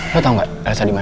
lo tau gak elsa di mana